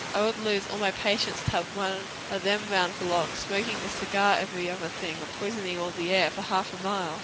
I would lose all my patience to have one o' them round for long, smokin' a cigar every other thing, and poisonin' all the air for half a mile."